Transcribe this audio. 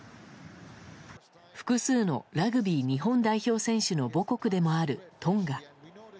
複数のラグビー日本代表選手の母国でもあるトンガ。